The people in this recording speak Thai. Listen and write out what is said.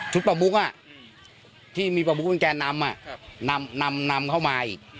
ชุดประมุกอ่ะที่มีประมุกเป็นแกนนำอ่ะนำนำนำเข้ามาอีก